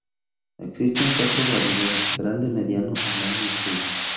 Existen cuatro variedades: grande, mediano, enano y toy.